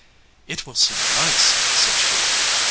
"It will seem nice," said she.